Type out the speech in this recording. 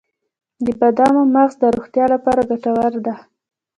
د بادامو مغز د روغتیا لپاره ګټور دی.